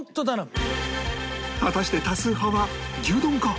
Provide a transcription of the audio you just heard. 果たして多数派は牛丼か？